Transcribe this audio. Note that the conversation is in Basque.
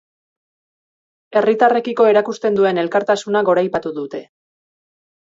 Herritarrekiko erakusten duen elkartasuna goraipatu dute.